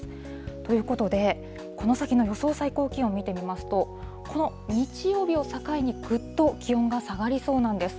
ということで、この先の予想最高気温見てみますと、この日曜日を境に、ぐっと気温が下がりそうなんです。